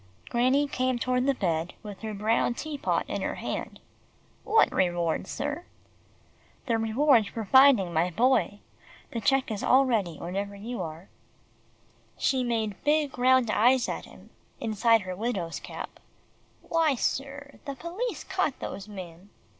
Granny came toward the bed with her brown tea pot in her hand. "What reward, sir?" "The reward for finding my Boy. The cheque is all ready whenever you are." She made big round eyes at him, inside her widow's cap. "Why, sir, the police caught those men."